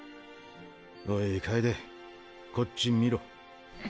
おい楓こっち見ろ。